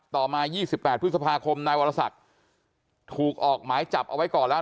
ต่อมา๒๘พฤษภาคมนายวรศักดิ์ถูกออกหมายจับเอาไว้ก่อนแล้ว